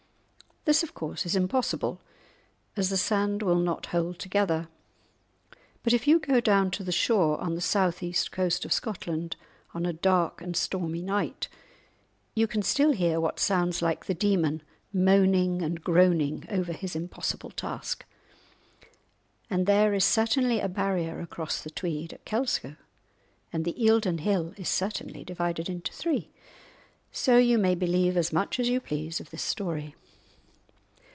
This, of course, is impossible, as the sand will not hold together. But if you go down to the shore on the south east coast of Scotland on a dark and stormy night, you can still hear what sounds like the demon moaning and groaning over his impossible task; and there is certainly a barrier across the Tweed at Kelso, and the Eildon Hill is certainly divided into three! So you may believe as much as you please of this story.